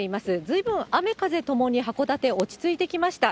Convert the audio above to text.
ずいぶん雨、風ともに函館落ち着いてきました。